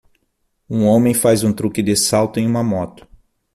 Um homem faz um truque de salto em uma moto